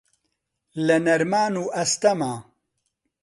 لە نەرمان و ئەستەما